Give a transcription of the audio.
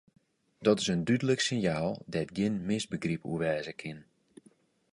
Dat is in dúdlik sinjaal dêr't gjin misbegryp oer wêze kin.